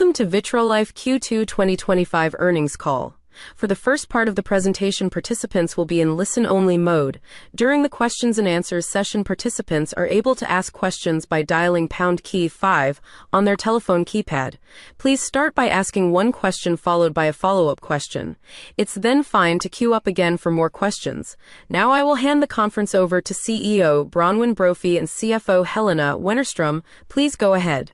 Welcome to Vitrolife Q2 2025 earnings call. For the first part of the presentation, participants will be in listen-only mode. During the questions and answers session, participants are able to ask questions by dialing pound key five on their telephone keypad. Please start by asking one question followed by a follow-up question. It's then fine to queue up again for more questions. Now, I will hand the conference over to CEO Bronwyn Brophy and CFO Helena Wennerström. Please go ahead.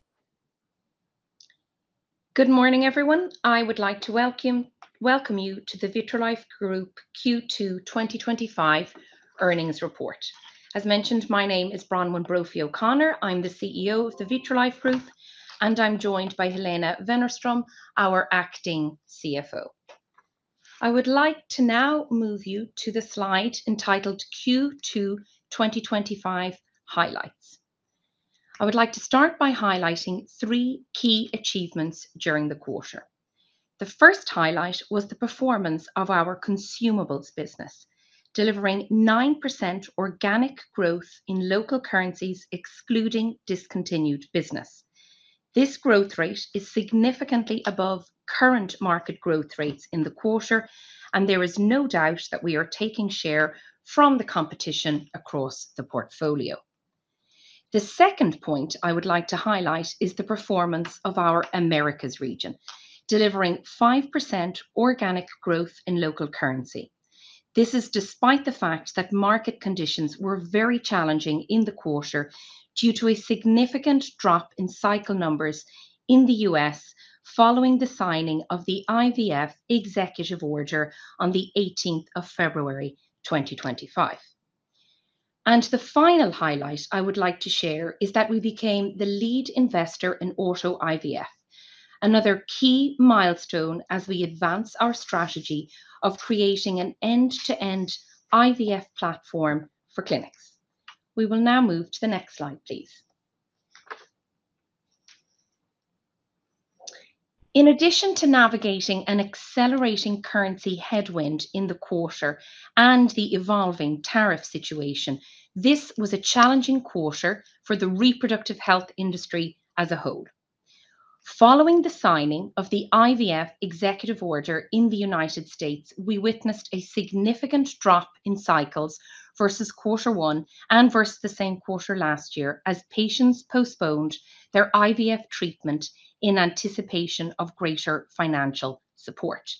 Good morning, everyone. I would like to welcome you to the Vitrolife Group Q2 2025 earnings report. As mentioned, my name is Bronwyn Brophy O'Connor. I'm the CEO of Vitrolife AB, and I'm joined by Helena Wennerström, our Acting CFO. I would like to now move you to the slide entitled "Q2 2025 Highlights." I would like to start by highlighting three key achievements during the quarter. The first highlight was the performance of our consumables business, delivering 9% organic growth in local currencies, excluding discontinued business. This growth rate is significantly above current market growth rates in the quarter, and there is no doubt that we are taking share from the competition across the portfolio. The second point I would like to highlight is the performance of our Americas region, delivering 5% organic growth in local currency. This is despite the fact that market conditions were very challenging in the quarter due to a significant drop in cycle numbers in the U.S. following the signing of the IVF executive order on February 18th, 2025. The final highlight I would like to share is that we became the lead investor in AutoIVF, another key milestone as we advance our strategy of creating an end-to-end IVF platform for clinics. We will now move to the next slide, please. In addition to navigating an accelerating currency headwind in the quarter and the evolving tariff situation, this was a challenging quarter for the reproductive health industry as a whole. Following the signing of the IVF executive order in the United States, we witnessed a significant drop in cycles versus quarter one and versus the same quarter last year as patients postponed their IVF treatment in anticipation of greater financial support.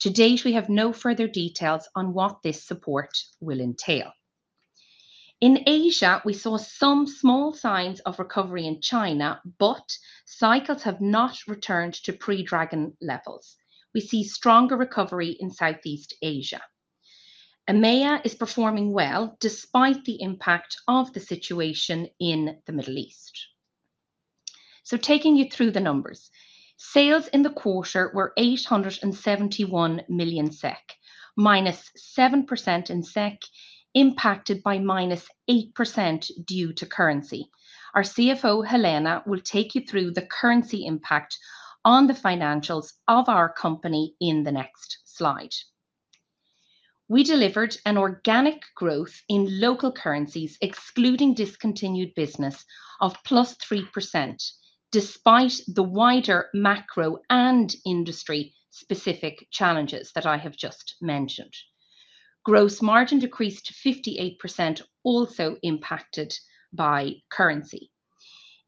To date, we have no further details on what this support will entail. In Asia, we saw some small signs of recovery in China, but cycles have not returned to pre-Dragon levels. We see stronger recovery in Southeast Asia. EMEA is performing well despite the impact of the situation in the Middle East. Taking you through the numbers, sales in the quarter were 871 million SEK, -7% in SEK, impacted by -8% due to currency. Our CFO, Helena, will take you through the currency impact on the financials of our company in the next slide. We delivered an organic growth in local currencies, excluding discontinued business, of +3% despite the wider macro and industry-specific challenges that I have just mentioned. Gross margin decreased to 58%, also impacted by currency.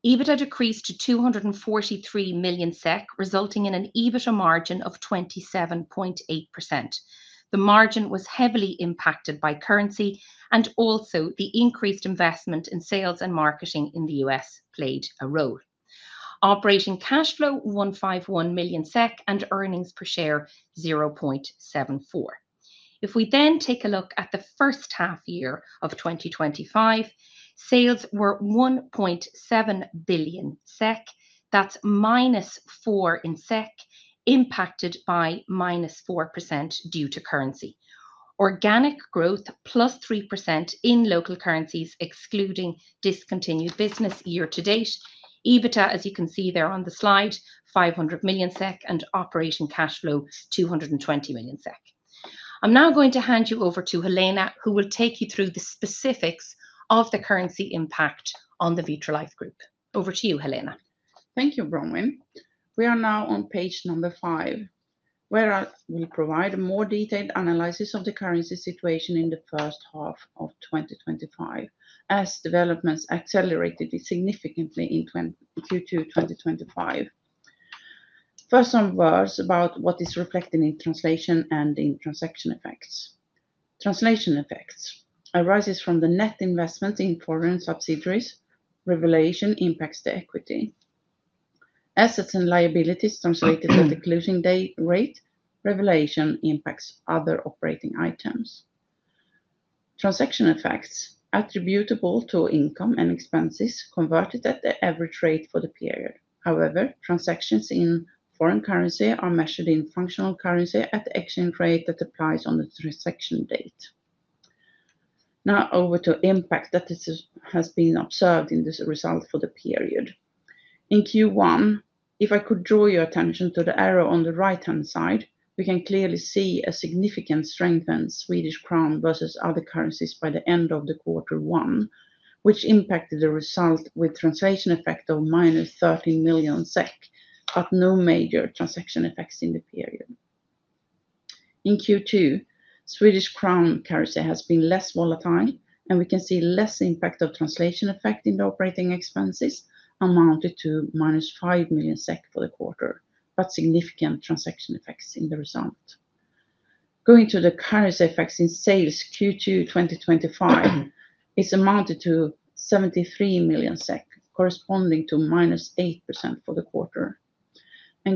EBITDA decreased to 243 million SEK, resulting in an EBITDA margin of 27.8%. The margin was heavily impacted by currency, and also the increased investment in sales and marketing in the U.S. played a role. Operating cash flow: 151 million SEK and earnings per share: 0.74. If we then take a look at the first half year of 2025, sales were 1.7 billion SEK, that's -4% in SEK, impacted by -4% due to currency. Organic growth: +3% in local currencies, excluding discontinued business year to date. EBITDA, as you can see there on the slide, 500 million SEK and operating cash flow: 220 million SEK. I'm now going to hand you over to Helena, who will take you through the specifics of the currency impact on the Vitrolife Group. Over to you, Helena. Thank you, Bronwyn. We are now on page number five, where we provide a more detailed analysis of the currency situation in the first half of 2025, as developments accelerated significantly in Q2 2025. First, some words about what is reflected in translation and in transaction effects. Translation effects arise from the net investment in foreign subsidiaries; revaluation impacts the equity. Assets and liabilities translated at the closing date rate; revaluation impacts other operating items. Transaction effects attributable to income and expenses converted at the average rate for the period. However, transactions in foreign currency are measured in functional currency at the exchange rate that applies on the transaction date. Now, over to the impact that has been observed in this result for the period. In Q1, if I could draw your attention to the arrow on the right-hand side, we can clearly see a significant strength in Swedish krona versus other currencies by the end of quarter one, which impacted the result with a translation effect of -13 million SEK, but no major transaction effects in the period. In Q2, Swedish krona currency has been less volatile, and we can see less impact of the translation effect in the operating expenses amounted to -5 million SEK for the quarter, but significant transaction effects in the result. Going to the currency effects in sales Q2 2025, it amounted to 73 million SEK, corresponding to -8% for the quarter.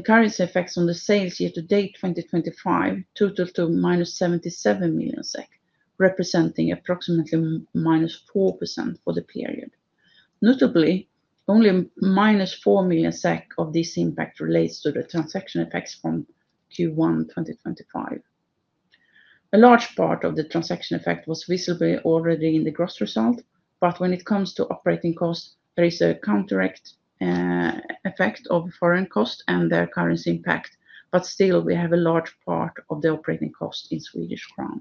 Currency effects on the sales year to date 2025 total to -77 million SEK, representing approximately -4% for the period. Notably, only -4 million SEK of this impact relates to the transaction effects from Q1 2025. A large part of the transaction effect was visible already in the gross result, but when it comes to operating costs, there is a counteract effect of foreign costs and their currency impact. Still, we have a large part of the operating costs in Swedish krona.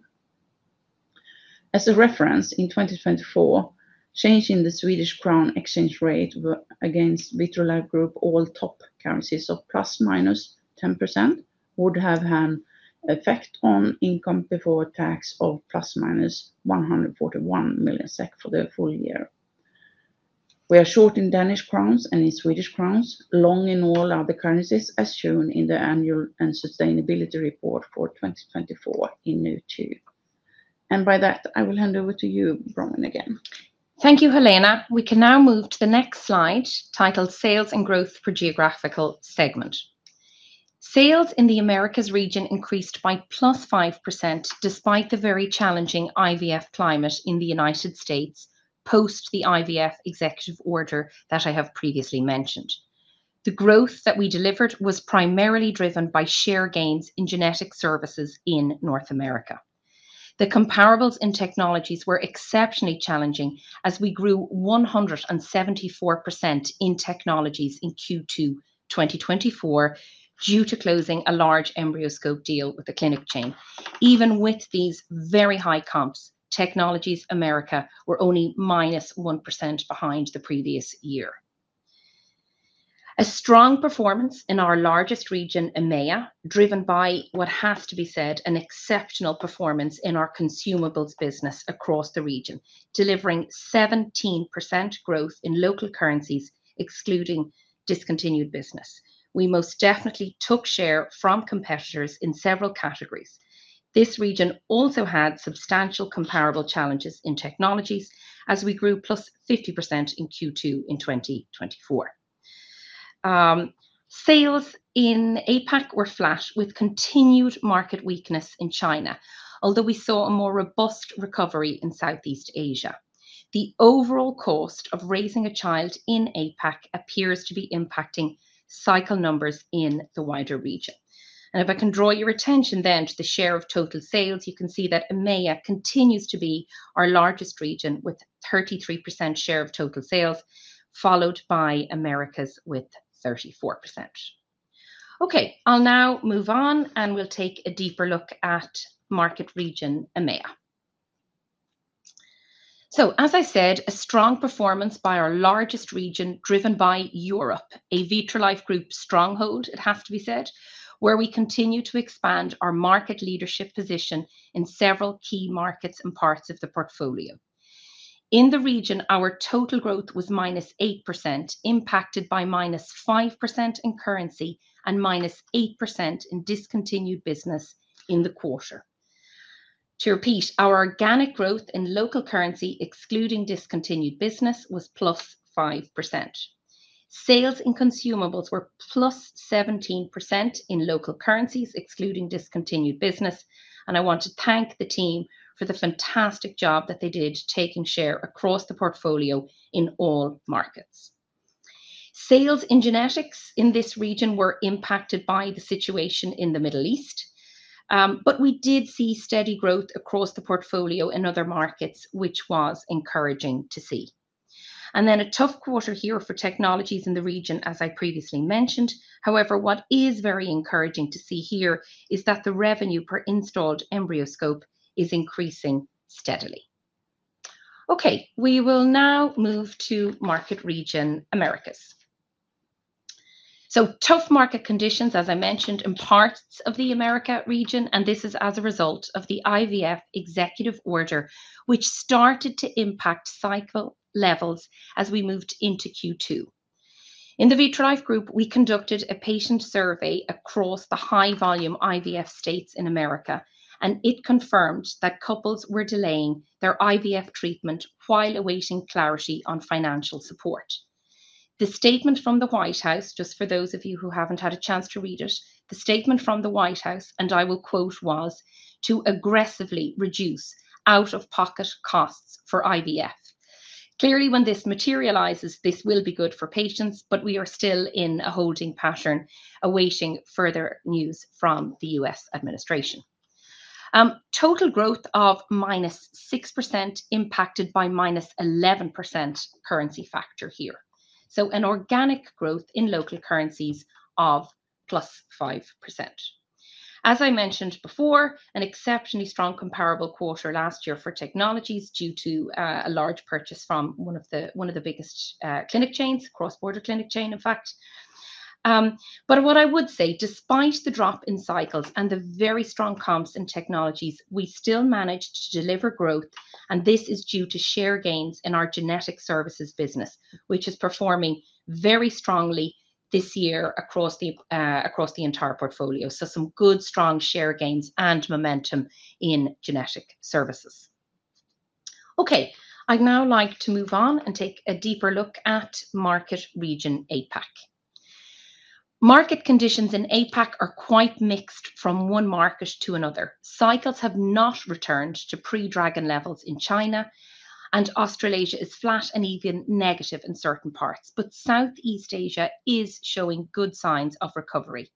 As a reference, in 2024, changing the Swedish krona exchange rate against the Vitrolife Group all top currencies of ±10% would have an effect on income before tax of ±141 million SEK for the full year. We are short in Danish krona and in Swedish krona, long in all other currencies, as shown in the annual and sustainability report for 2024 in note two. By that, I will hand over to you, Bronwyn, again. Thank you, Helena. We can now move to the next slide, titled "Sales and Growth for Geographical Segment." Sales in the Americas region increased by +5% despite the very challenging IVF climate in the United States post the IVF executive order that I have previously mentioned. The growth that we delivered was primarily driven by share gains in genetic services in North America. The comparables and technologies were exceptionally challenging as we grew 174% in technologies in Q2 2024 due to closing a large EmbryoScope deal with the clinic chain. Even with these very high comps, technologies Americas were only -1% behind the previous year. A strong performance in our largest region, EMEA, driven by what has to be said, an exceptional performance in our consumables business across the region, delivering 17% growth in local currencies, excluding discontinued business. We most definitely took share from competitors in several categories. This region also had substantial comparable challenges in technologies as we grew +50% in Q2 2024. Sales in APAC were flat with continued market weakness in China, although we saw a more robust recovery in Southeast Asia. The overall cost of raising a child in APAC appears to be impacting cycle numbers in the wider region. If I can draw your attention then to the share of total sales, you can see that EMEA continues to be our largest region with 33% share of total sales, followed by Americas with 34%. Okay, I'll now move on and we'll take a deeper look at market region EMEA. As I said, a strong performance by our largest region driven by Europe, a Vitrolife AB Group stronghold, it has to be said, where we continue to expand our market leadership position in several key markets and parts of the portfolio. In the region, our total growth was -8%, impacted by -5% in currency and -8% in discontinued business in the quarter. To repeat, our organic growth in local currency, excluding discontinued business, was +5%. Sales in consumables were +17% in local currencies, excluding discontinued business, and I want to thank the team for the fantastic job that they did taking share across the portfolio in all markets. Sales in genetics in this region were impacted by the situation in the Middle East, but we did see steady growth across the portfolio in other markets, which was encouraging to see. A tough quarter here for technologies in the region, as I previously mentioned. However, what is very encouraging to see here is that the revenue per installed EmbryoScope is increasing steadily. Okay, we will now move to market region Americas. Tough market conditions, as I mentioned, in parts of the Americas region, and this is as a result of the IVF executive order, which started to impact cycle levels as we moved into Q2. In the Vitrolife Group, we conducted a patient survey across the high-volume IVF states in the Americas, and it confirmed that couples were delaying their IVF treatment while awaiting clarity on financial support. The statement from the White House, just for those of you who haven't had a chance to read it, the statement from the White House, and I will quote, was to aggressively reduce out-of-pocket costs for IVF. Clearly, when this materializes, this will be good for patients, but we are still in a holding pattern, awaiting further news from the U.S. administration. Total growth of -6% impacted by -11% currency factor here. An organic growth in local currencies of +5%. As I mentioned before, an exceptionally strong comparable quarter last year for technologies due to a large purchase from one of the biggest clinic chains, cross-border clinic chain, in fact. What I would say, despite the drop in cycles and the very strong comps in technologies, we still managed to deliver growth, and this is due to share gains in our genetic services business, which is performing very strongly this year across the entire portfolio. Some good strong share gains and momentum in genetic services. Okay, I'd now like to move on and take a deeper look at market region APAC. Market conditions in APAC are quite mixed from one market to another. Cycles have not returned to pre-Dragon levels in China, and Australasia is flat and even negative in certain parts, but Southeast Asia is showing good signs of recovery.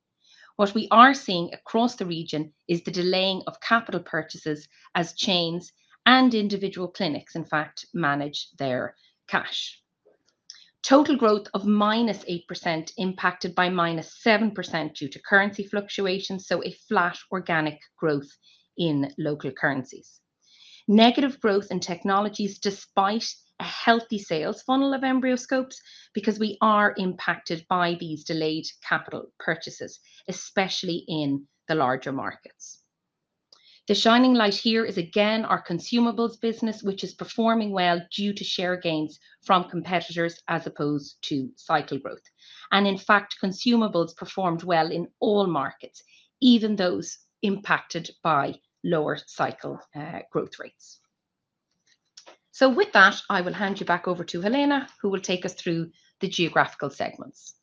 What we are seeing across the region is the delaying of capital purchases as chains and individual clinics, in fact, manage their cash. Total growth of -8% impacted by -7% due to currency fluctuations, so a flat organic growth in local currencies. Negative growth in technologies despite a healthy sales funnel of EmbryoScopes because we are impacted by these delayed capital purchases, especially in the larger markets. The shining light here is again our consumables business, which is performing well due to share gains from competitors as opposed to cycle growth. In fact, consumables performed well in all markets, even those impacted by lower cycle growth rates. I will hand you back over to Helena, who will take us through the geographical segments.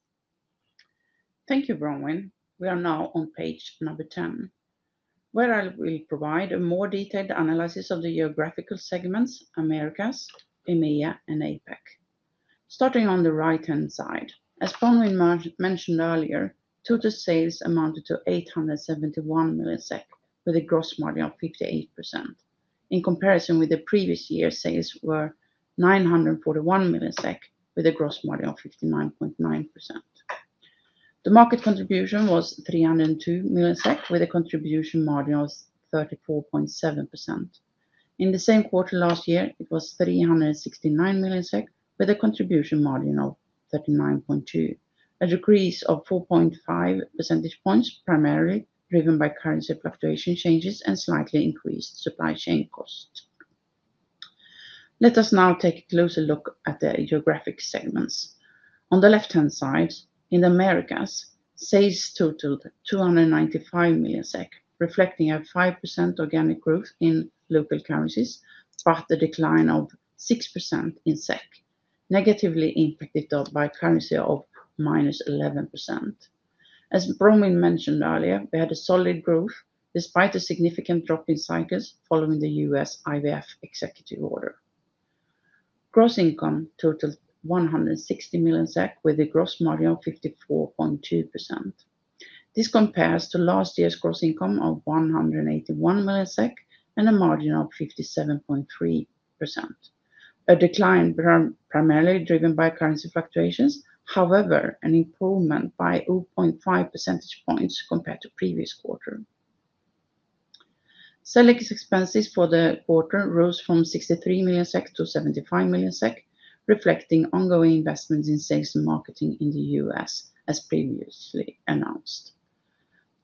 Thank you, Bronwyn. We are now on page number 10, where I will provide a more detailed analysis of the geographical segments: Americas, EMEA, and APAC. Starting on the right-hand side, as Bronwyn mentioned earlier, total sales amounted to 871 million SEK with a gross margin of 58%. In comparison with the previous year, sales were 941 million SEK with a gross margin of 59.9%. The market contribution was 302 million SEK with a contribution margin of 34.7%. In the same quarter last year, it was 369 million SEK with a contribution margin of 39.2%. A decrease of 4.5 percentage points, primarily driven by currency fluctuation changes and slightly increased supply chain costs. Let us now take a closer look at the geographic segments. On the left-hand side, in the Americas, sales totaled 295 million SEK, reflecting 5% organic growth in local currencies, but a decline of 6% in SEK, negatively impacted by currency of -11%. As Bronwyn mentioned earlier, we had solid growth despite a significant drop in cycles following the U.S. IVF executive order. Gross income totaled 160 million with a gross margin of 54.2%. This compares to last year's gross income of 181 million SEK and a margin of 57.3%. A decline primarily driven by currency fluctuations; however, an improvement by 0.5 percentage points compared to the previous quarter. Selling expenses for the quarter rose from 63 million SEK to 75 million SEK, reflecting ongoing investments in sales and marketing in the U.S., as previously announced.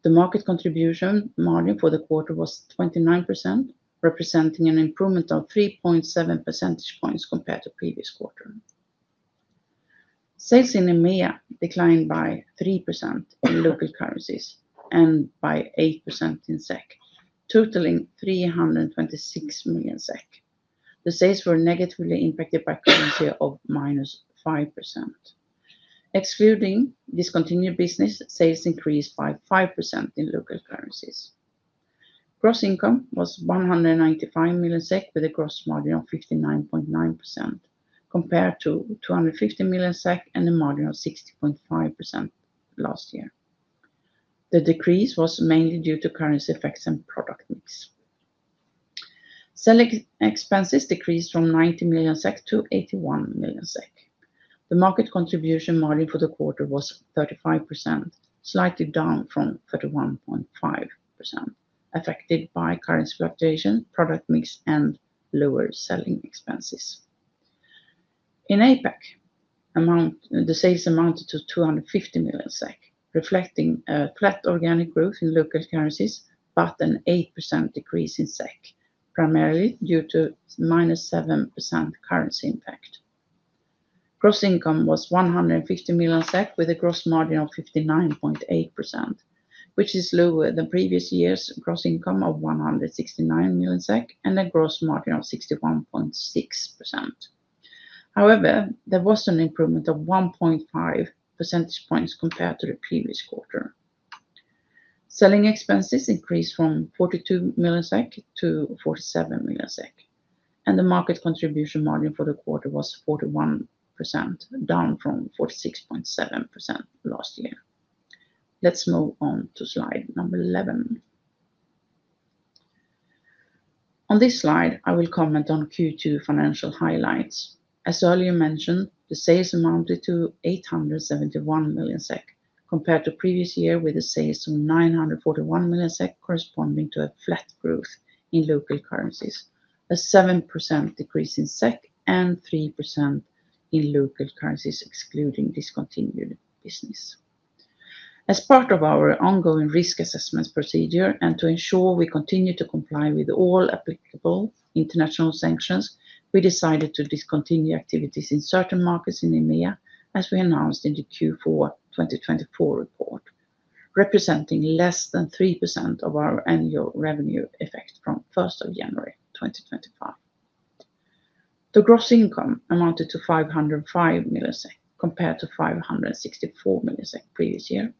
The market contribution margin for the quarter was 29%, representing an improvement of 3.7 percentage points compared to the previous quarter. Sales in EMEA declined by 3% in local currencies and by 8% in SEK, totaling 326 million SEK. The sales were negatively impacted by currency of -5%. Excluding discontinued business, sales increased by 5% in local currencies. Gross income was 195 million SEK with a gross margin of 59.9%, compared to 250 million SEK and a margin of 60.5% last year. The decrease was mainly due to currency effects and product mix. Selling expenses decreased from 90 million SEK to 81 million SEK. The market contribution margin for the quarter was 35%, slightly down from 31.5%, affected by currency fluctuation, product mix, and lower selling expenses. In APAC, the sales amounted to 250 million SEK, reflecting flat organic growth in local currencies, but an 8% decrease in SEK, primarily due to -7% currency impact. Gross income was 150 million SEK with a gross margin of 59.8%, which is lower than previous year's gross income of 169 million SEK and a gross margin of 61.6%. However, there was an improvement of 1.5 percentage points compared to the previous quarter. Selling expenses increased from 42 million SEK to 47 million SEK, and the market contribution margin for the quarter was 41%, down from 46.7% last year. Let's move on to slide number 11. On this slide, I will comment on Q2 financial highlights. As earlier mentioned, the sales amounted to 871 million SEK compared to the previous year, with the sales of 941 million SEK corresponding to a flat growth in local currencies, a 7% decrease in SEK and 3% in local currencies, excluding discontinued business. As part of our ongoing risk assessment procedure and to ensure we continue to comply with all applicable international sanctions, we decided to discontinue activities in certain markets in EMEA, as we announced in the Q4 2024 report, representing less than 3% of our annual revenue effects from January 1, 2025. The gross income amounted to 505 million SEK compared to 564 million SEK previous year,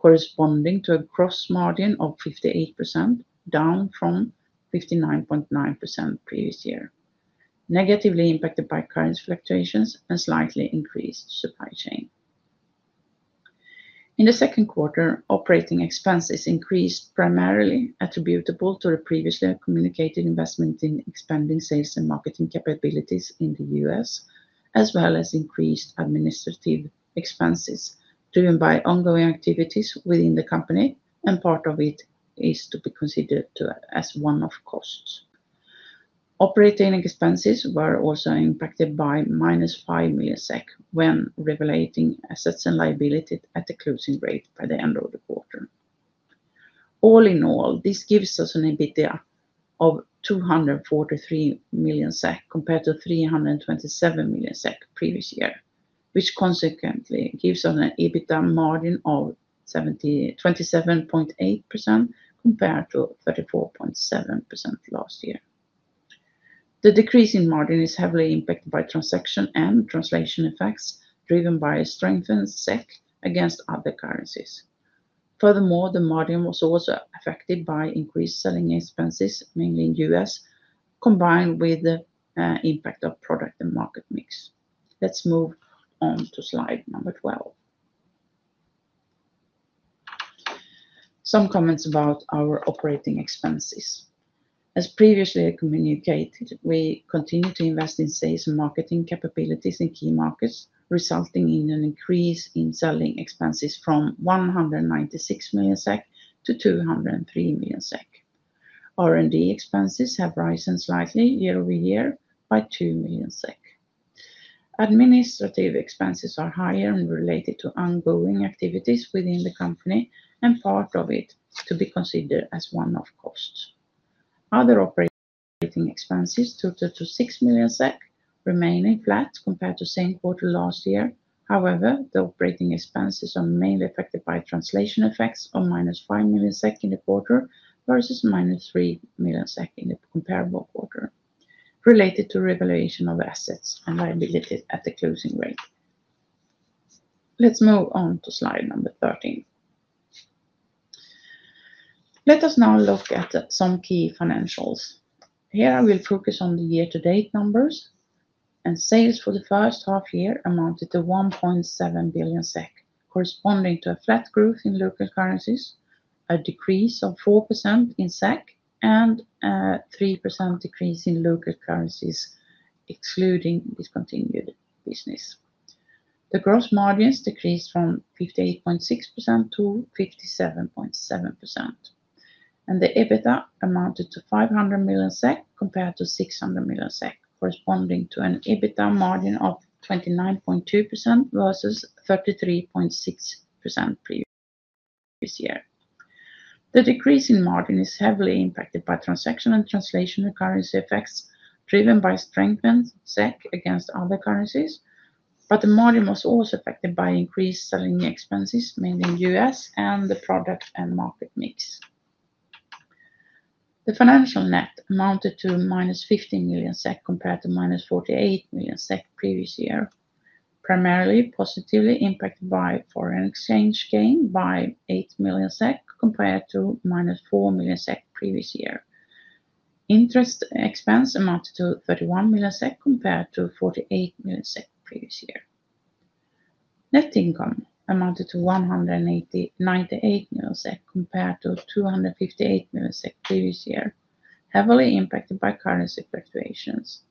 corresponding to a gross margin of 58%, down from 59.9% previous year, negatively impacted by currency fluctuations and slightly increased supply chain. In the second quarter, operating expenses increased primarily attributable to the previously communicated investment in expanding sales and marketing capabilities in the U.S., as well as increased administrative expenses driven by ongoing activities within the company, and part of it is to be considered as one-off costs. Operating expenses were also impacted by -5 million when revaluating assets and liabilities at the closing rate by the end of the quarter. All in all, this gives us an EBITDA of 243 million SEK compared to 327 million SEK previous year, which consequently gives us an EBITDA margin of 27.8% compared to 34.7% last year. The decrease in margin is heavily impacted by transaction and translation effects driven by strengthened SEK against other currencies. Furthermore, the margin was also affected by increased selling expenses, mainly in the U.S., combined with the impact of product and market mix. Let's move on to slide number 12. Some comments about our operating expenses. As previously communicated, we continue to invest in sales and marketing capabilities in key markets, resulting in an increase in selling expenses from 196 million SEK to 203 million SEK. R&D expenses have risen slightly year-over-year by 2 million SEK. Administrative expenses are higher and related to ongoing activities within the company, and part of it is to be considered as one-off costs. Other operating expenses totaled 6 million SEK, remaining flat compared to the same quarter last year. However, the operating expenses are mainly affected by translation effects of -5 million in the quarter versus -3 million in the comparable quarter, related to revaluation of assets and liabilities at the closing rate. Let's move on to slide number 13. Let us now look at some key financials. Here I will focus on the year-to-date numbers, and sales for the first half year amounted to 1.7 billion SEK, corresponding to a flat growth in local currencies, a decrease of 4% in SEK, and a 3% decrease in local currencies, excluding discontinued business. The gross margins decreased from 58.6% to 57.7%, and the EBITDA amounted to 500 million SEK compared to 600 million SEK, corresponding to an EBITDA margin of 29.2% versus 33.6% previous year. The decrease in margin is heavily impacted by transaction and translation currency effects, driven by strengthened SEK against other currencies, but the margin was also affected by increased selling expenses, mainly in the U.S. and the product and market mix. The financial net amounted to -15 million SEK compared to -48 million SEK previous year, primarily positively impacted by foreign exchange gain by 8 million SEK compared to -4 million SEK previous year. Interest expense amounted to 31 million SEK compared to 48 million SEK previous year. Net income amounted to 198 million SEK compared to 258 million SEK previous year, heavily impacted by currency fluctuations,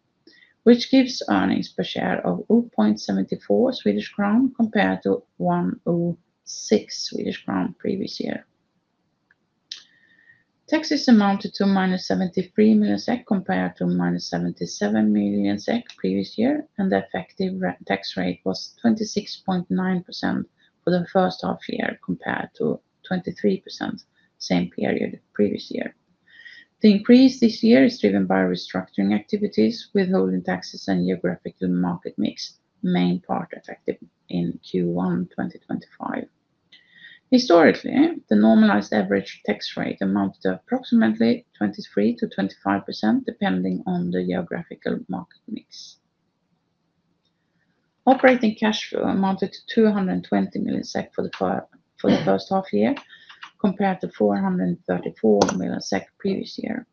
which gives earnings per share of 0.74 Swedish crown compared to 1.06 Swedish crown previous year. Taxes amounted to -73 million SEK compared to -77 million SEK previous year, and the effective tax rate was 26.9% for the first half year compared to 23% same period previous year. The increase this year is driven by restructuring activities, withholding taxes, and geographical market mix, main part effective in Q1 2025. Historically, the normalized average tax rate amounted to approximately 23% to 25% depending on the geographical market mix. Operating cash flow amounted to 220 million SEK for the first half year compared to 434 million SEK previous year.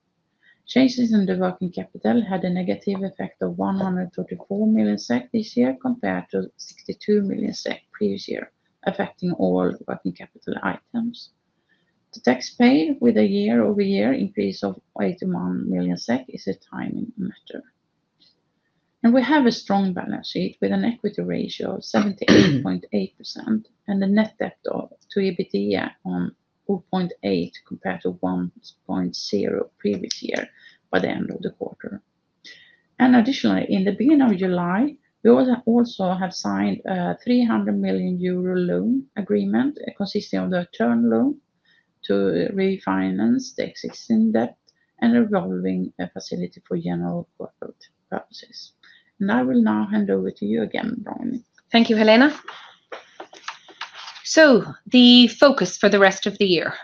Changes in the working capital had a negative effect of 134 million SEK this year compared to 62 million SEK previous year, affecting all working capital items. The tax paid with a year-over-year increase of 81 million SEK is a timing matter. We have a strong balance sheet with an equity ratio of 78.8% and a net debt of 2 EBITDA on 2.8% compared to 1.0% previous year by the end of the quarter. Additionally, in the beginning of July, we also have signed a 300 million euro loan agreement consisting of the return loan to refinance the existing debt and a revolving facility for general workload purposes. I will now hand over to you again, Bronwyn. Thank you, Helena. The focus for the rest of the year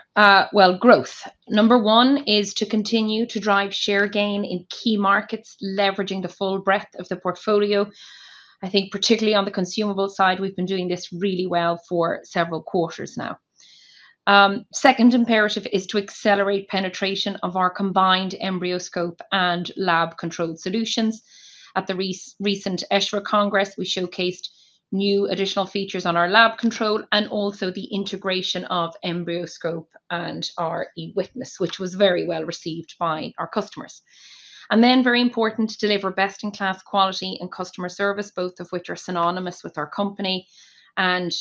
is growth. Number one is to continue to drive share gain in key markets, leveraging the full breadth of the portfolio. I think particularly on the consumables side, we've been doing this really well for several quarters now. The second imperative is to accelerate penetration of our combined EmbryoScope and lab control solutions. At the recent ESHRE Congress, we showcased new additional features on our lab control and also the integration of EmbryoScope and our e-witness, which was very well received by our customers. It is very important to deliver best-in-class quality and customer service, both of which are synonymous with our company and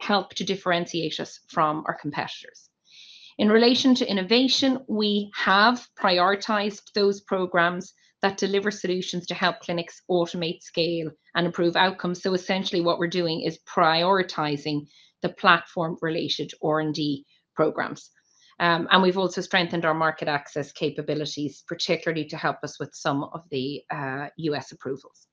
help to differentiate us from our competitors. In relation to innovation, we have prioritized those programs that deliver solutions to help clinics automate, scale, and improve outcomes. Essentially, what we're doing is prioritizing the platform-related R&D programs. We've also strengthened our market access capabilities, particularly to help us with some of the U.S. approvals.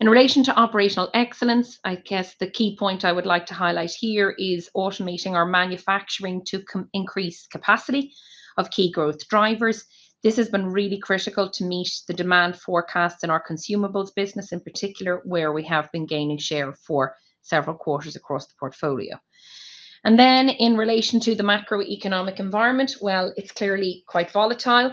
In relation to operational excellence, the key point I would like to highlight here is automating our manufacturing to increase capacity of key growth drivers. This has been really critical to meet the demand forecast in our consumables business, in particular where we have been gaining share for several quarters across the portfolio. In relation to the macroeconomic environment, it is clearly quite volatile.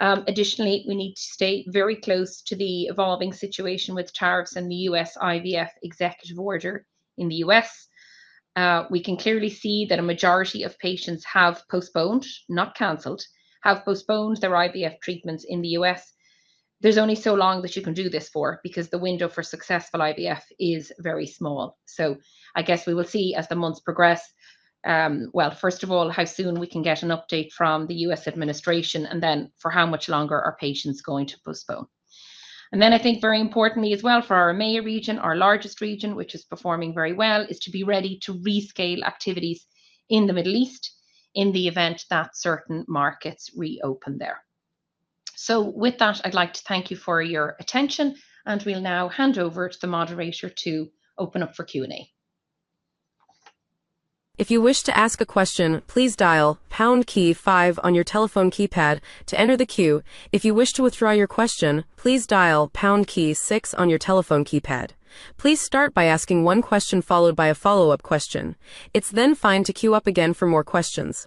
Additionally, we need to stay very close to the evolving situation with tariffs and the U.S. IVF executive order in the U.S. We can clearly see that a majority of patients have postponed, not canceled, have postponed their IVF treatments in the U.S. There is only so long that you can do this for because the window for successful IVF is very small. I guess we will see as the months progress, first of all, how soon we can get an update from the U.S. administration and then for how much longer our patients are going to postpone. Very importantly as well for our EMEA region, our largest region, which is performing very well, is to be ready to rescale activities in the Middle East in the event that certain markets reopen there. With that, I'd like to thank you for your attention, and we'll now hand over to the moderator to open up for Q&A. If you wish to ask a question, please dial pound key five on your telephone keypad to enter the queue. If you wish to withdraw your question, please dial pound key six on your telephone keypad. Please start by asking one question followed by a follow-up question. It's then fine to queue up again for more questions.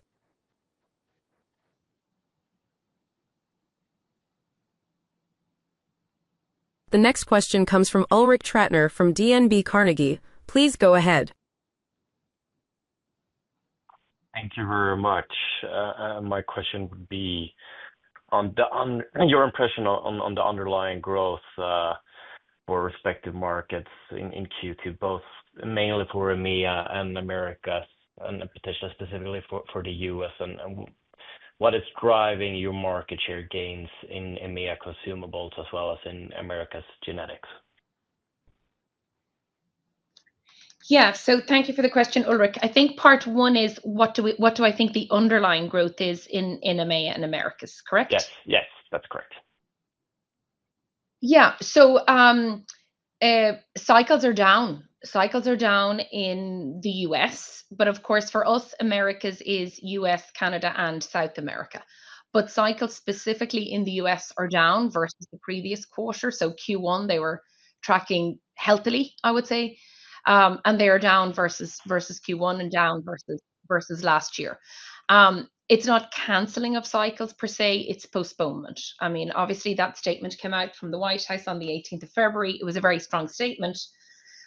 The next question comes from Ulrich Trattner from DNB Carnegie. Please go ahead. Thank you very much. My question would be on your impression on the underlying growth for respective markets in Q2, both mainly for EMEA and Americas, and potentially specifically for the U.S., and what is driving your market share gains in EMEA consumables as well as in Americas genetics? Thank you for the question, Ulrich. I think part one is what do I think the underlying growth is in EMEA and Americas, correct? Yes, yes, that's correct. Yeah, cycles are down. Cycles are down in the U.S., but of course for us, Americas is U.S., Canada, and South America. Cycles specifically in the U.S. are down versus the previous quarter. Q1, they were tracking healthily, I would say, and they are down versus Q1 and down versus last year. It's not cancelling of cycles per se, it's postponement. Obviously that statement came out from the White House on the 18th of February. It was a very strong statement.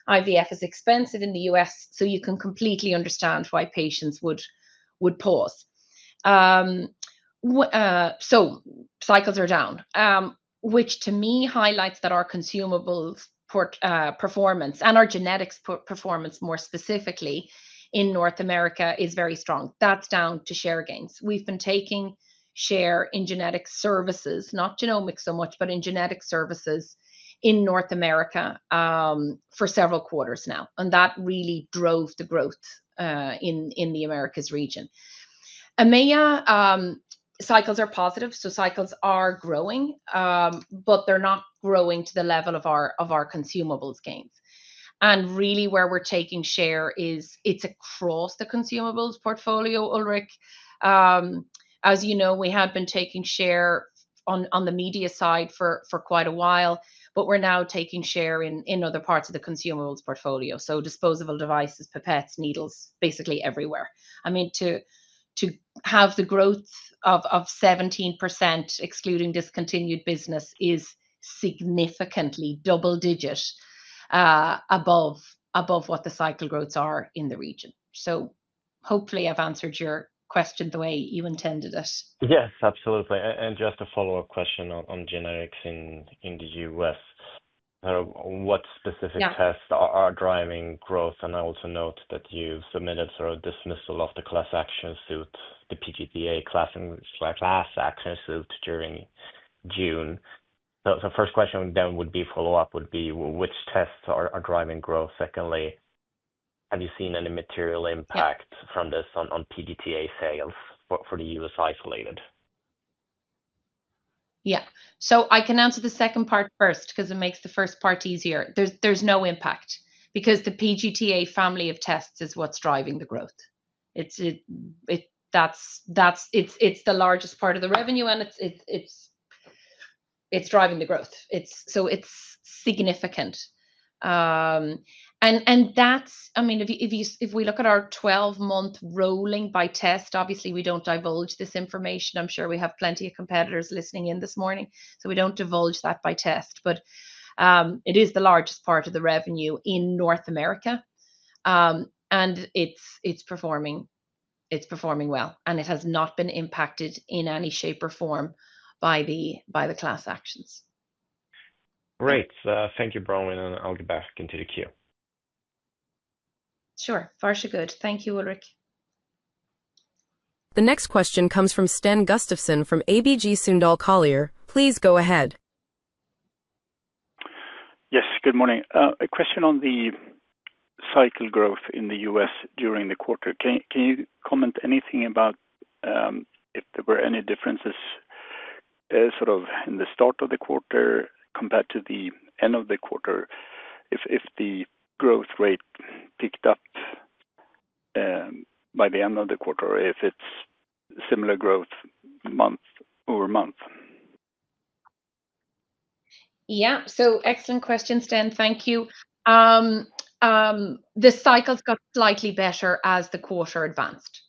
IVF is expensive in the U.S., so you can completely understand why patients would pause. Cycles are down, which to me highlights that our consumables performance and our genetics performance more specifically in North America is very strong. That's down to share gains. We've been taking share in genetic services, not genomics so much, but in genetic services in North America for several quarters now, and that really drove the growth in the Americas region. EMEA, cycles are positive, cycles are growing, but they're not growing to the level of our consumables gains. Really where we're taking share is it's across the consumables portfolio, Ulrich. As you know, we have been taking share on the media side for quite a while, but we're now taking share in other parts of the consumables portfolio. Disposable devices, pipettes, needles, basically everywhere. To have the growth of 17% excluding discontinued business is significantly double-digit above what the cycle growths are in the region. Hopefully I've answered your question the way you intended it. Yes, absolutely. Just a follow-up question on genetics in the U.S. What specific tests are driving growth? I also note that you submitted for a dismissal of the class action litigation, the PDTA class action litigation during June. The first question would be which tests are driving growth? Secondly, have you seen any material impact from this on PDTA sales for the U.S. isolated? I can answer the second part first because it makes the first part easier. There's no impact because the PDTA family of tests is what's driving the growth. It's the largest part of the revenue and it's driving the growth. It's significant. If we look at our 12-month rolling by test, obviously we don't divulge this information. I'm sure we have plenty of competitors listening in this morning, so we don't divulge that by test. It is the largest part of the revenue in North America, and it's performing well, and it has not been impacted in any shape or form by the class actions. Great, thank you, Bronwyn, and I'll get back into the queue. Sure, far too good. Thank you, Ulrich. The next question comes from Sten Gustafsson from ABG Sundal Collier. Please go ahead. Yes, good morning. A question on the cycle growth in the U.S. during the quarter. Can you comment anything about if there were any differences in the start of the quarter compared to the end of the quarter? If the growth rate picked up by the end of the quarter or if it's similar growth month over month? Excellent question, Sten, thank you. The cycles got slightly better as the quarter advanced.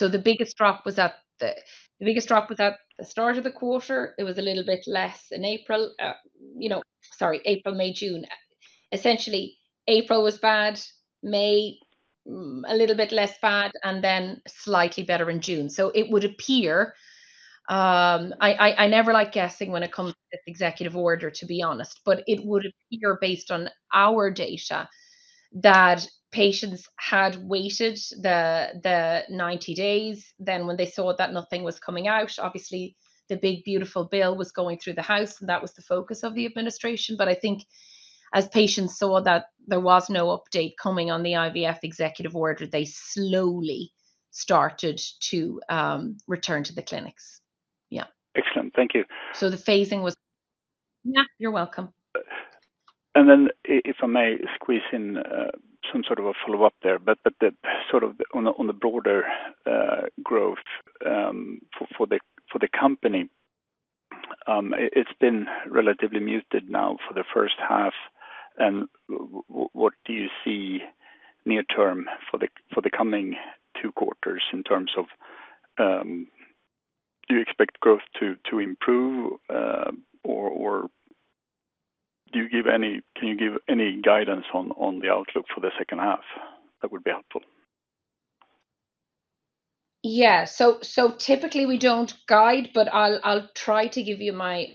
The biggest drop was at the start of the quarter. It was a little bit less in April, May, June. Essentially, April was bad, May a little bit less bad, and then slightly better in June. It would appear, I never like guessing when it comes to the executive order, to be honest, but it would appear based on our data that patients had waited the 90 days. When they saw that nothing was coming out, obviously the big beautiful bill was going through the House, and that was the focus of the administration. I think as patients saw that there was no update coming on the IVF executive order, they slowly started to return to the clinics. Excellent, thank you. The phasing was. Yeah, you're welcome. If I may squeeze in some sort of a follow-up there, on the broader growth for the company, it's been relatively muted now for the first half. What do you see near term for the coming two quarters in terms of do you expect growth to improve or can you give any guidance on the outlook for the second half? That would be helpful. Typically, we don't guide, but I'll try to give you my,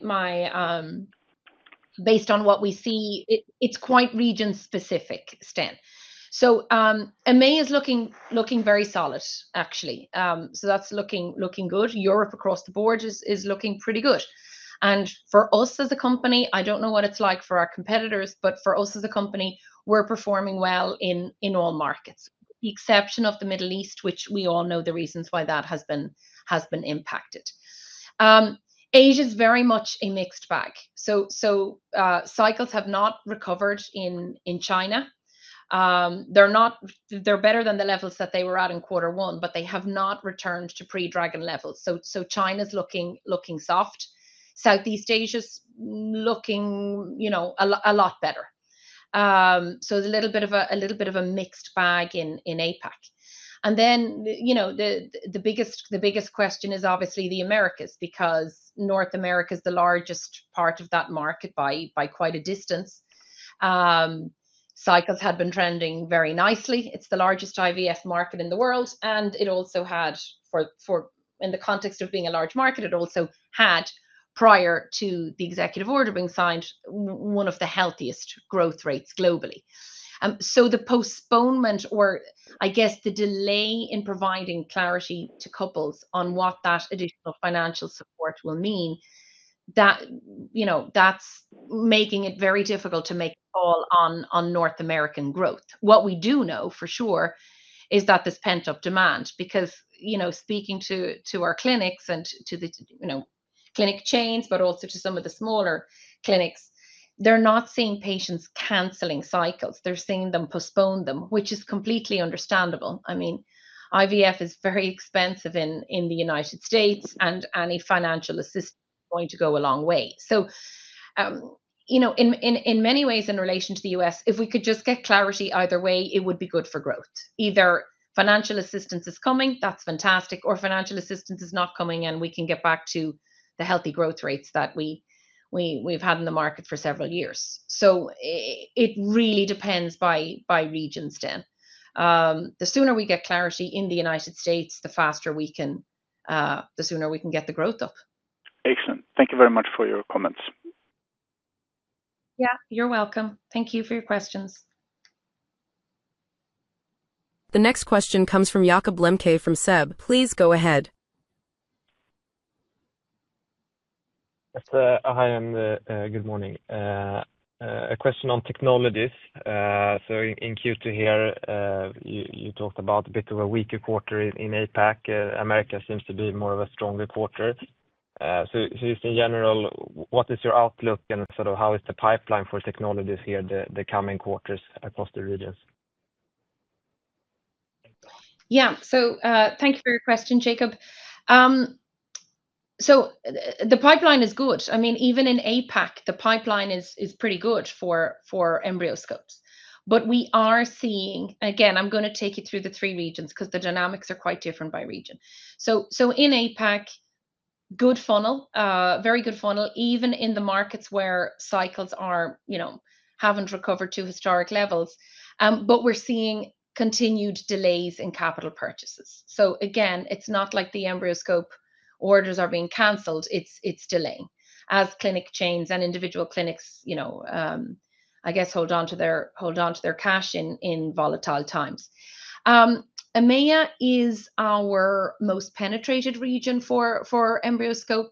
based on what we see, it's quite region specific, Sten. EMEA is looking very solid, actually. That's looking good. Europe across the board is looking pretty good. For us as a company, I don't know what it's like for our competitors, but for us as a company, we're performing well in all markets, with the exception of the Middle East, which we all know the reasons why that has been impacted. Asia is very much a mixed bag. Cycles have not recovered in China. They're better than the levels that they were at in quarter one, but they have not returned to pre-dragon levels. China's looking soft. Southeast Asia's looking a lot better. It's a little bit of a mixed bag in APAC. The biggest question is obviously the Americas because North America is the largest part of that market by quite a distance. Cycles had been trending very nicely. It's the largest IVF market in the world, and it also had, in the context of being a large market, it also had, prior to the executive order being signed, one of the healthiest growth rates globally. The postponement or, I guess, the delay in providing clarity to couples on what that additional financial support will mean, that's making it very difficult to make a call on North American growth. What we do know for sure is that this pent-up demand, because, speaking to our clinics and to the clinic chains, but also to some of the smaller clinics, they're not seeing patients canceling cycles. They're seeing them postpone them, which is completely understandable. IVF is very expensive in the United States, and any financial assistance is going to go a long way. In many ways in relation to the U.S., if we could just get clarity either way, it would be good for growth. Either financial assistance is coming, that's fantastic, or financial assistance is not coming, and we can get back to the healthy growth rates that we've had in the market for several years. It really depends by regions, Sten. The sooner we get clarity in the United States, the sooner we can get the growth up. Excellent. Thank you very much for your comments. Yeah, you're welcome. Thank you for your questions. The next question comes from Jakob Lembke from SEB. Please go ahead. Hi, and good morning. A question on technologies. In Q2 here, you talked about a bit of a weaker quarter in APAC. Americas seems to be more of a stronger quarter. Just in general, what is your outlook and sort of how is the pipeline for technologies here the coming quarters across the regions? Thank you for your question, Jakob. The pipeline is good. Even in APAC, the pipeline is pretty good for EmbryoScopes. We are seeing, again, I'm going to take you through the three regions because the dynamics are quite different by region. In APAC, good funnel, very good funnel, even in the markets where cycles are, you know, haven't recovered to historic levels. We're seeing continued delays in capital purchases. It's not like the EmbryoScope orders are being canceled. It's delaying as clinic chains and individual clinics, you know, I guess hold on to their cash in volatile times. EMEA is our most penetrated region for EmbryoScope.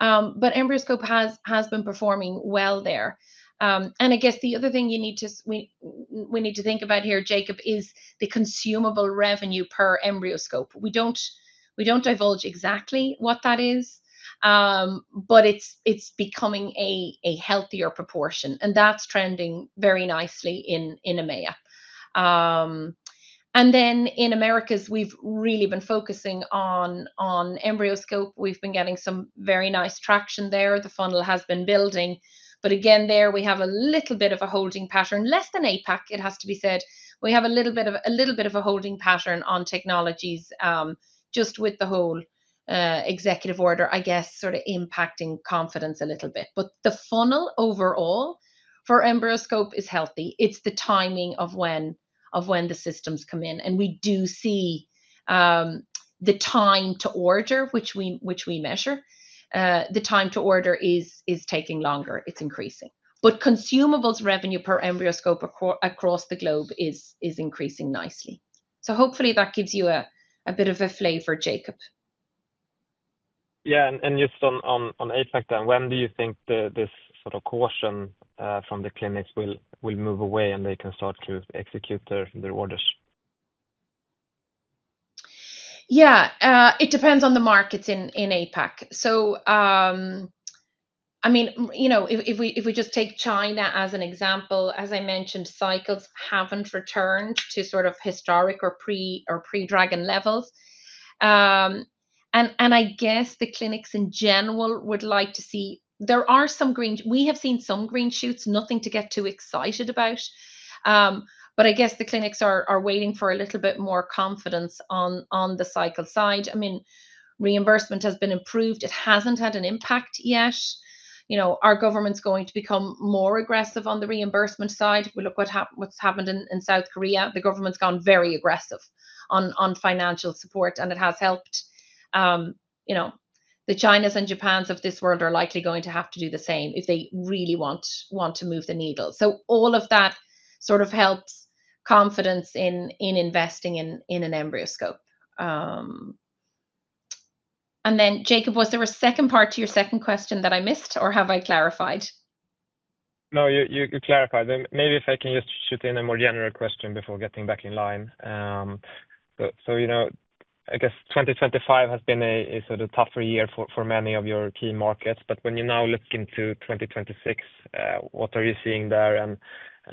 EmbryoScope has been performing well there. The other thing we need to think about here, Jakob, is the consumable revenue per EmbryoScope. We don't divulge exactly what that is, but it's becoming a healthier proportion. That's trending very nicely in EMEA. In Americas, we've really been focusing on EmbryoScope. We've been getting some very nice traction there. The funnel has been building. There we have a little bit of a holding pattern, less than APAC, it has to be said. We have a little bit of a holding pattern on technologies, just with the whole executive order, I guess, sort of impacting confidence a little bit. The funnel overall for EmbryoScope is healthy. It's the timing of when the systems come in. We do see the time to order, which we measure, the time to order is taking longer. It's increasing. Consumables revenue per EmbryoScope across the globe is increasing nicely. Hopefully that gives you a bit of a flavor, Jakob. Yeah, just on APAC, when do you think this sort of caution from the clinics will move away and they can start to execute their orders? Yeah, it depends on the markets in APAC. If we just take China as an example, as I mentioned, cycles haven't returned to sort of historic or pre-dragon levels. I guess the clinics in general would like to see, there are some green, we have seen some green shoots, nothing to get too excited about. I guess the clinics are waiting for a little bit more confidence on the cycle side. Reimbursement has been improved. It hasn't had an impact yet. Are governments going to become more aggressive on the reimbursement side? If we look at what's happened in South Korea, the government's gone very aggressive on financial support, and it has helped. The Chinas and Japans of this world are likely going to have to do the same if they really want to move the needle. All of that sort of helps confidence in investing in an EmbryoScope. Jakob, was there a second part to your second question that I missed or have I clarified? No, you clarified. Maybe if I can just shoot in a more general question before getting back in line. You know, I guess 2025 has been a sort of tougher year for many of your key markets. When you now look into 2026, what are you seeing there?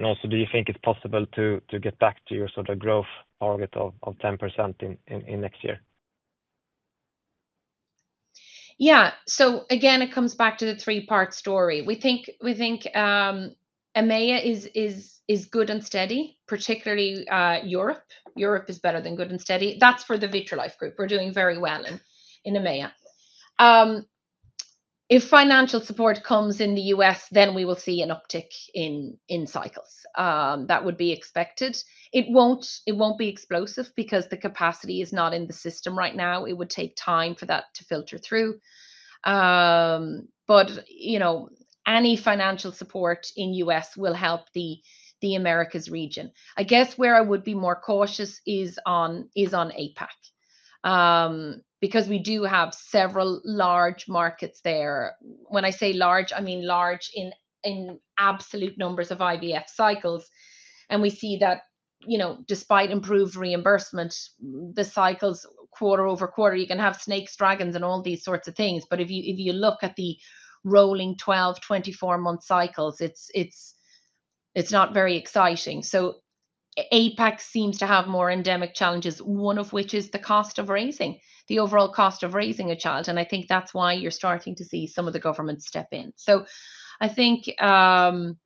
Also, do you think it's possible to get back to your sort of growth target of 10% next year? Yeah, so again, it comes back to the three-part story. We think EMEA is good and steady, particularly Europe. Europe is better than good and steady. That's for the Vitrolife Group. We're doing very well in EMEA. If financial support comes in the U.S., then we will see an uptick in cycles. That would be expected. It won't be explosive because the capacity is not in the system right now. It would take time for that to filter through. Any financial support in the U.S. will help the Americas region. I guess where I would be more cautious is on APAC because we do have several large markets there. When I say large, I mean large in absolute numbers of IVF cycles. We see that, despite improved reimbursement, the cycles quarter over quarter, you can have snakes, dragons, and all these sorts of things. If you look at the rolling 12, 24-month cycles, it's not very exciting. APAC seems to have more endemic challenges, one of which is the cost of raising, the overall cost of raising a child. I think that's why you're starting to see some of the governments step in. I think, again,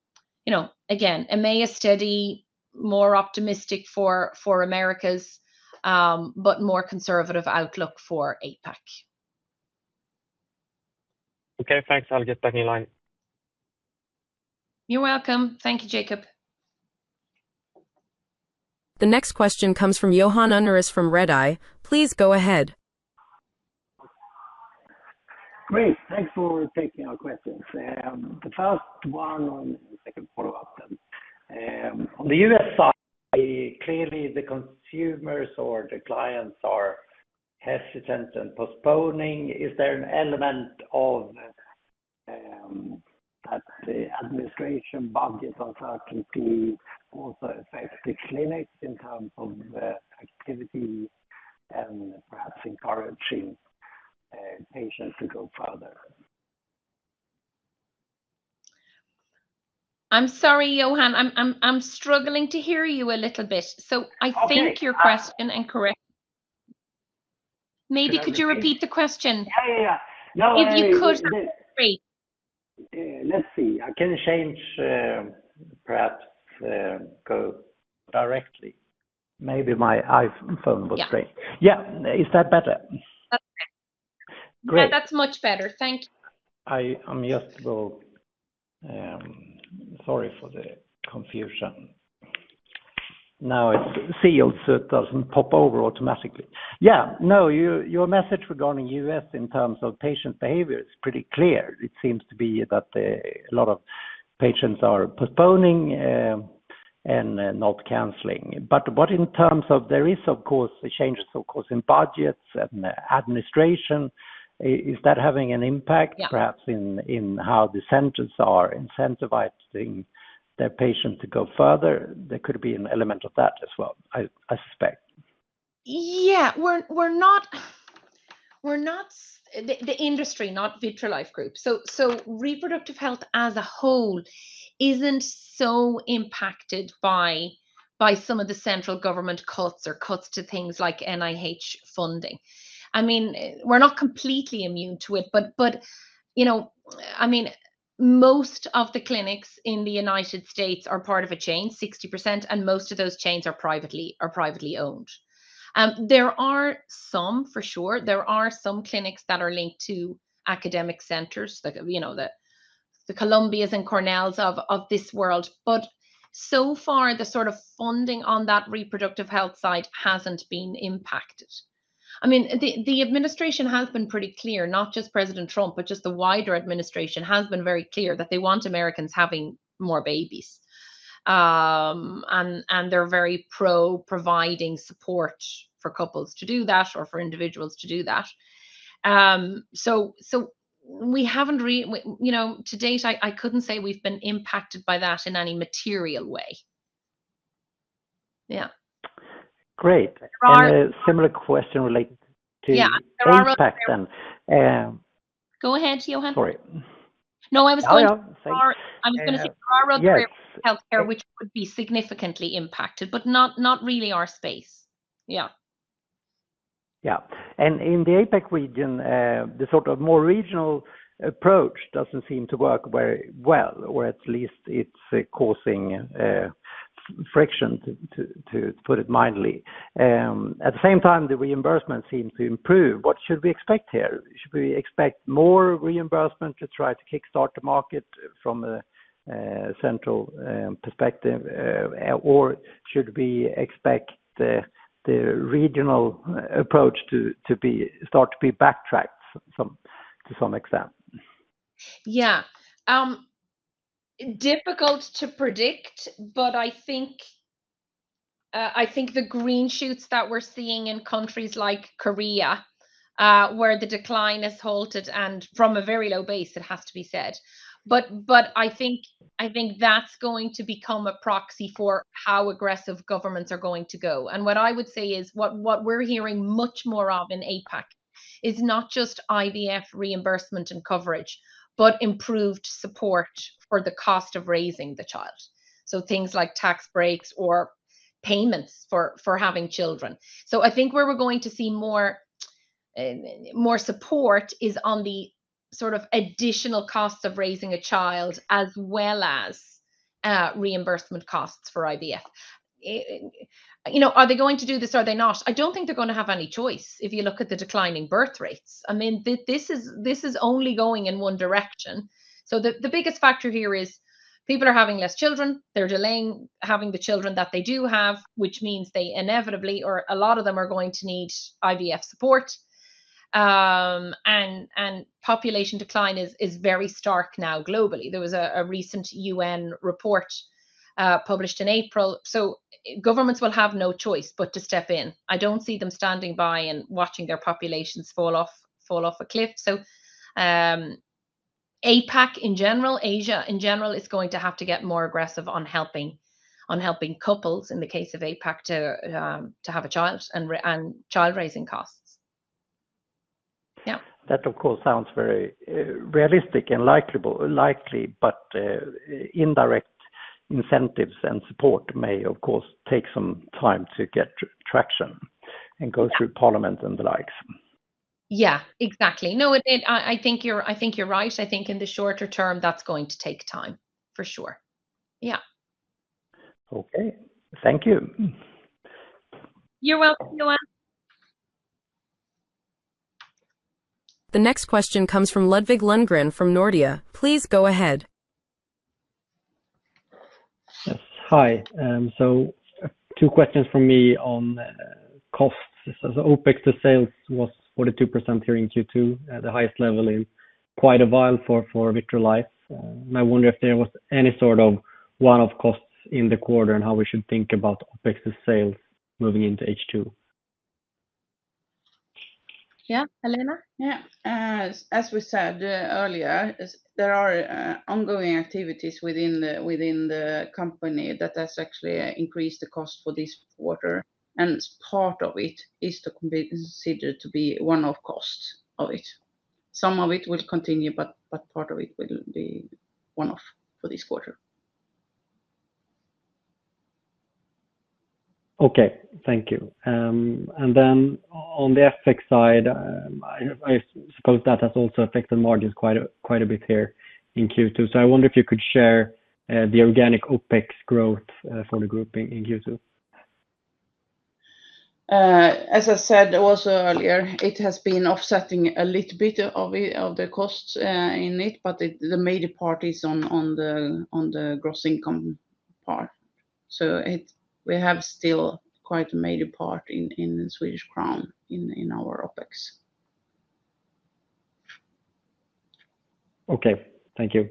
EMEA is steady, more optimistic for Americas, but more conservative outlook for APAC. Okay, thanks. I'll get back in line. You're welcome. Thank you, Jakob. The next question comes from Johan Underis from Redeye. Please go ahead. Great, thanks for taking our questions. The first one on the U.S. side, clearly the consumers or the clients are hesitant and postponing. Is there an element of that the administration budget or certainty also affects the clinic in terms of activity and perhaps encouraging patients to go further? I'm sorry, Johan, I'm struggling to hear you a little bit. I think your question, and correct, maybe could you repeat the question? Yeah, yeah. If you could, great. Let's see, I can change perhaps the code directly. Maybe my iPhone was strange. Is that better? Yeah, that's much better. Thank you. I'm sorry for the confusion. Now it's sealed so it doesn't pop over automatically. Your message regarding the U.S. in terms of patient behavior is pretty clear. It seems to be that a lot of patients are postponing and not canceling. What in terms of there is, of course, the changes in budgets and administration, is that having an impact perhaps in how the centers are incentivizing their patients to go further? There could be an element of that as well, I suspect. We're not the industry, not Vitrolife Group. Reproductive health as a whole isn't so impacted by some of the central government cuts or cuts to things like NIH funding. We're not completely immune to it, but most of the clinics in the U.S. are part of a chain, 60%, and most of those chains are privately owned. There are some clinics that are linked to academic centers, you know, the Columbians and Cornells of this world. So far, the sort of funding on that reproductive health side hasn't been impacted. The administration has been pretty clear, not just President Trump, but the wider administration has been very clear that they want Americans having more babies. They're very pro-providing support for couples to do that or for individuals to do that. We haven't really, to date, I couldn't say we've been impacted by that in any material way. Great. A similar question related to APAC then. Go ahead, Johan. Sorry. I was going to say our other healthcare, which would be significantly impacted, but not really our space. Yeah. In the APAC region, the sort of more regional approach doesn't seem to work very well, or at least it's causing friction, to put it mildly. At the same time, the reimbursement seemed to improve. What should we expect here? Should we expect more reimbursement to try to kickstart the market from a central perspective, or should we expect the regional approach to start to be backtracked to some extent? Difficult to predict, but I think the green shoots that we're seeing in countries like Korea, where the decline has halted and from a very low base, it has to be said. I think that's going to become a proxy for how aggressive governments are going to go. What I would say is what we're hearing much more of in APAC is not just IVF reimbursement and coverage, but improved support for the cost of raising the child. Things like tax breaks or payments for having children. I think where we're going to see more support is on the sort of additional cost of raising a child as well as reimbursement costs for IVF. Are they going to do this or are they not? I don't think they're going to have any choice if you look at the declining birth rates. This is only going in one direction. The biggest factor here is people are having less children. They're delaying having the children that they do have, which means they inevitably, or a lot of them are going to need IVF support. Population decline is very stark now globally. There was a recent UN report published in April. Governments will have no choice but to step in. I don't see them standing by and watching their populations fall off a cliff. APAC in general, Asia in general, is going to have to get more aggressive on helping couples in the case of APAC to have a child and child raising costs. That of course sounds very realistic and likely, but indirect incentives and support may of course take some time to get traction and go through parliament and the like. Yeah, exactly. I think you're right. I think in the shorter term, that's going to take time for sure. Yeah. Okay, thank you. You're welcome, Johan. The next question comes from Ludvig Lundgren from Nordea. Please go ahead. Yes, hi. Two questions from me on costs. OpEx to sales was 42% here in Q2, the highest level in quite a while for Vitrolife. I wonder if there was any sort of one-off costs in the quarter, and how we should think about OpEx to sales moving into H2? Yeah, Helena? As we said earlier, there are ongoing activities within the company that have actually increased the cost for this quarter. Part of it is considered to be one-off costs. Some of it will continue, but part of it will be one-off for this quarter. Okay, thank you. On the OpEx side, I suppose that has also affected margins quite a bit here in Q2. I wonder if you could share the organic OpEx growth for the group in Q2. As I said earlier, it has been offsetting a little bit of the costs in it, but the major part is on the gross income part. We have still quite a major part in SEK in our OpEx. Okay, thank you.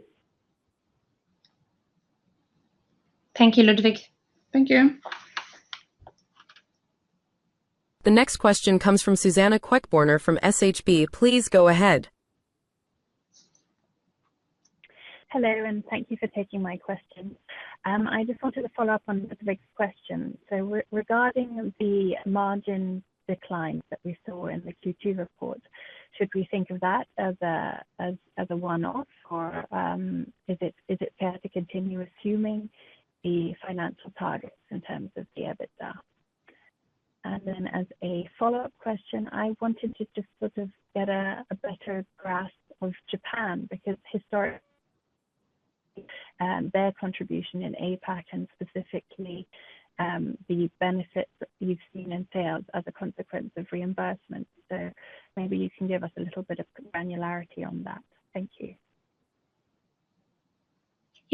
Thank you, Ludvig. Thank you. The next question comes from Susanna Quackborne from SHB. Please go ahead. Hello and thank you for taking my question. I just wanted to follow up on Ludvig's question. Regarding the margin declines that we saw in the Q2 report, should we think of that as a one-off or is it fair to continue assuming the financial targets in terms of the EBITDA? As a follow-up question, I wanted to just sort of get a better grasp of Japan because historically, their contribution in APAC and specifically the benefits that you've seen in sales as a consequence of reimbursement. Maybe you can give us a little bit of granularity on that. Thank you.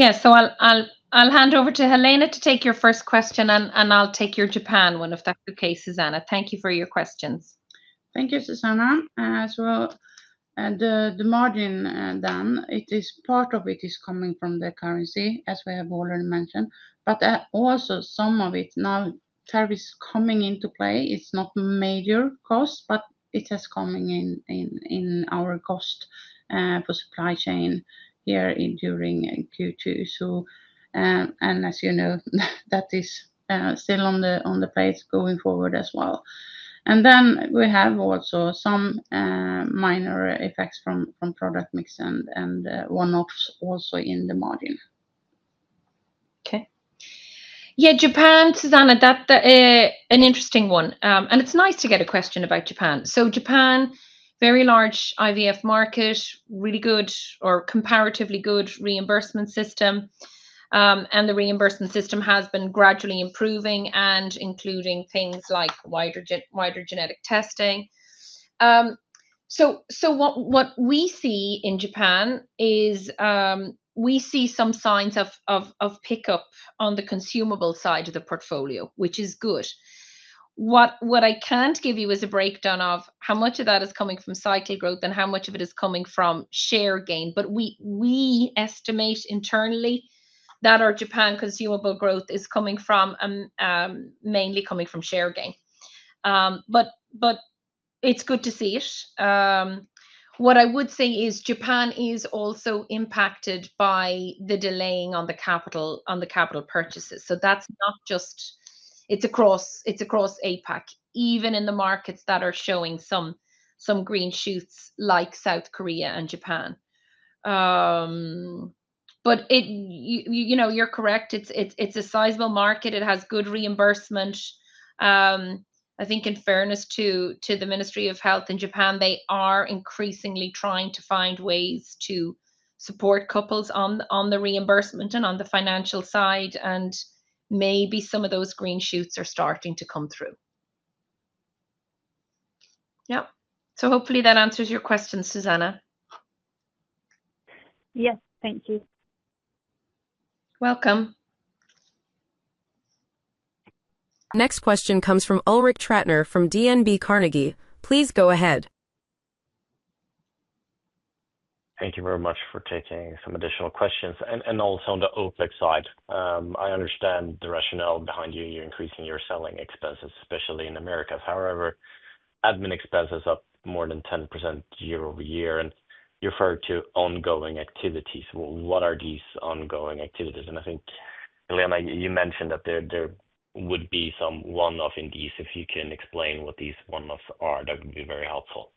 I'll hand over to Helena to take your first question, and I'll take your Japan one if that's okay, Susanna. Thank you for your questions. Thank you, Susanna. The margin then, part of it is coming from the currency, as we have already mentioned. Also, some of it now, tariffs coming into play, it's not major costs, but it is coming in in our cost for supply chain here during Q2. As you know, that is still on the plates going forward as well. We have also some minor effects from product mix and one-offs also in the margin. Okay. Yeah, Japan, Susanna, that's an interesting one. It's nice to get a question about Japan. Japan is a very large IVF market, really good or comparatively good reimbursement system. The reimbursement system has been gradually improving and including things like wider genetic testing. What we see in Japan is we see some signs of pickup on the consumables side of the portfolio, which is good. What I can't give you is a breakdown of how much of that is coming from cycle growth and how much of it is coming from share gain. We estimate internally that our Japan consumables growth is mainly coming from share gain. It's good to see it. What I would say is Japan is also impacted by the delaying on the capital purchases. That's not just, it's across APAC, even in the markets that are showing some green shoots like South Korea and Japan. You're correct, it's a sizable market. It has good reimbursement. I think in fairness to the Ministry of Health in Japan, they are increasingly trying to find ways to support couples on the reimbursement and on the financial side. Maybe some of those green shoots are starting to come through. Hopefully that answers your question, Susanna. Yes, thank you. Welcome. Next question comes from Ulrich Trattner from DNB Carnegie. Please go ahead. Thank you very much for taking some additional questions. Also, on the OpEx side, I understand the rationale behind you increasing your selling expenses, especially in the Americas. However, admin expenses are up more than 10% year-over-year, and you referred to ongoing activities. What are these ongoing activities? I think, Helena, you mentioned that there would be some one-off in these. If you can explain what these one-offs are, that would be very helpful.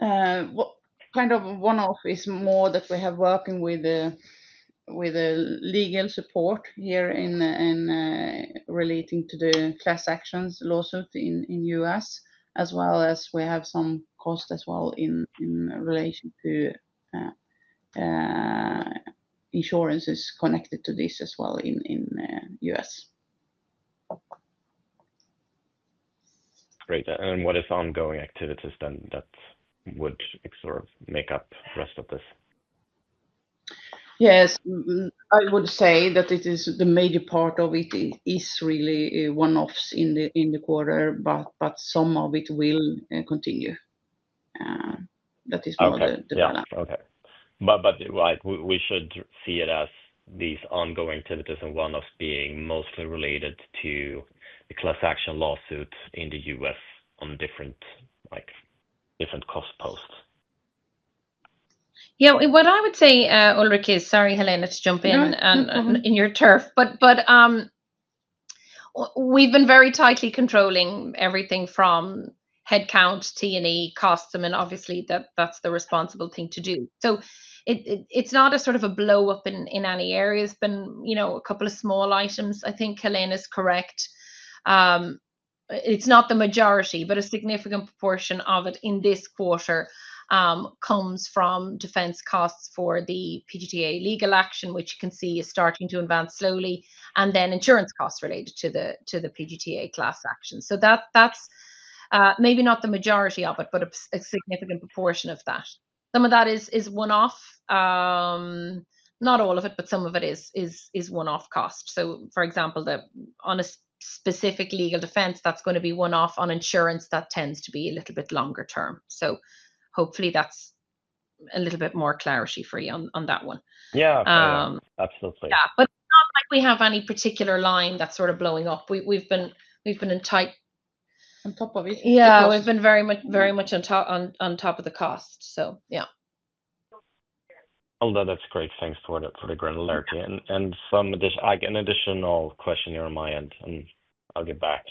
We have more that we have working with legal support here in relating to the class action litigation in the U.S., as well as we have some costs as well in relation to insurances connected to this as well in the U.S. What is ongoing activities that would sort of make up the rest of this? Yes, I would say that the major part of it is really one-offs in the quarter, but some of it will continue. That is part of the plan. Okay, we should see it as these ongoing activities and one-offs being mostly related to the class action litigation in the U.S. on different cost posts. Yeah, what I would say, Ulrich, is sorry, Helena, to jump in on your turf. We've been very tightly controlling everything from headcount, T&E, custom, and obviously that's the responsible thing to do. It's not a sort of a blow-up in any areas. A couple of small items, I think Helena is correct. It's not the majority, but a significant proportion of it in this quarter comes from defense costs for the PDTA legal action, which you can see is starting to advance slowly, and then insurance costs related to the PDTA class action. That's maybe not the majority of it, but a significant proportion of that. Some of that is one-off. Not all of it, but some of it is one-off cost. For example, on a specific legal defense, that's going to be one-off. On insurance, that tends to be a little bit longer term. Hopefully that's a little bit more clarity for you on that one. Yeah, absolutely. It's not like we have any particular line that's sort of blowing up. We've been on top of it. We've been very much on top of the cost. Oh, no, that's great. Thanks for the granularity. I have an additional question here on my end, and I'll get back.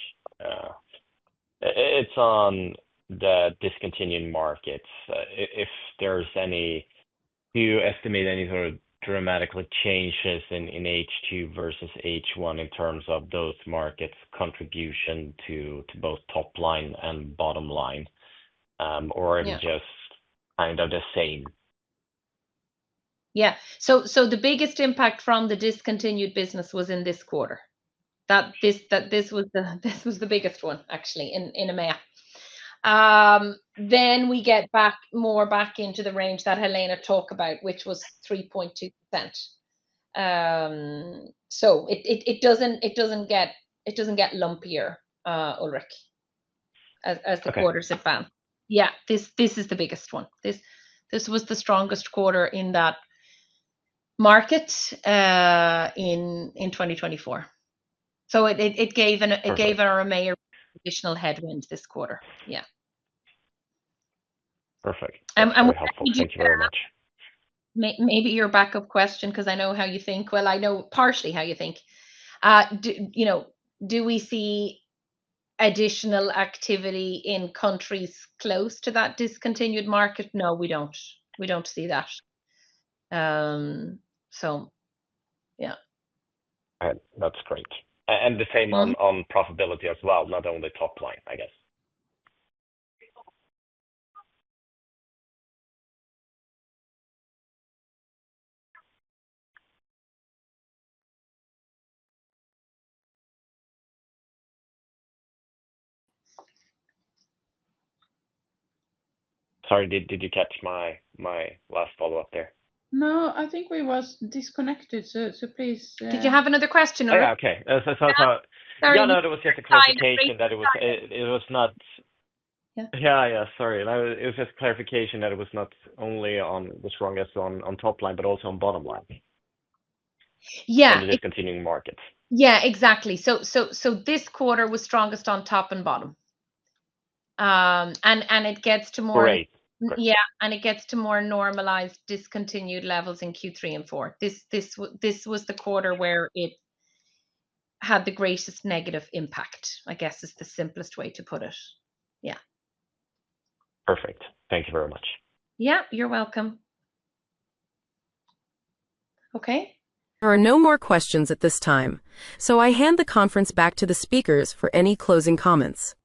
It's on the discontinued markets. If there's any, do you estimate any sort of dramatic changes in H2 versus H1 in terms of those markets' contribution to both top line and bottom line? Or are they just kind of the same? Yeah, the biggest impact from the discontinued business was in this quarter. This was the biggest one, actually, in EMEA. We get back more into the range that Helena talked about, which was 3.2%. It doesn't get lumpier, Ulrich, as the quarters have been. This is the biggest one. This was the strongest quarter in that market in 2024. It gave our EMEA additional headwind this quarter. Perfect. Helpful. Thank you very much. Maybe your backup question, because I know how you think. I know partially how you think. Do we see additional activity in countries close to that discontinued market? No, we don't. We don't see that. So yeah. That's great. The same on profitability as well, not only top line, I guess. Sorry, did you catch my last follow-up there? No, I think we were disconnected. Please. Did you have another question? Sorry, it was just a clarification that it was not only on the strongest on top line, but also on bottom line. Yeah. Discontinued markets. Yeah, exactly. This quarter was strongest on top and bottom. It gets to more... Great. Yeah, it gets to more normalized discontinued levels in Q3 and Q4. This was the quarter where it had the greatest negative impact, I guess, is the simplest way to put it. Perfect. Thank you very much. Yeah, you're welcome. Okay, there are no more questions at this time. I hand the conference back to the speakers for any closing comments.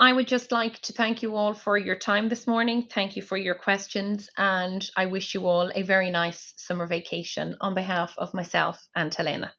I would just like to thank you all for your time this morning. Thank you for your questions. I wish you all a very nice summer vacation on behalf of myself and Helena.